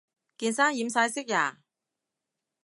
件衫染晒色呀